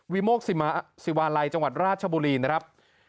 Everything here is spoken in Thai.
โมกศิวาลัยจังหวัดราชบุรีนะครับ